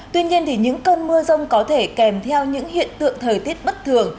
tuy nhiên những cơn mưa rông có thể kèm theo những hiện tượng thời tiết bất thường